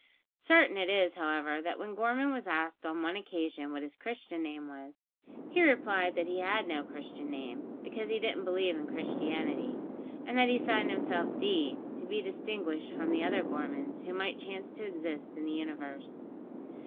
Certain it is, however, that when Gorman was asked on one occasion what his Christian name was, he replied that he had no Christian name; because he didn't believe in Christianity, and that he signed himself "D," to be distinguished from the other Gormans who might chance to exist in the universe.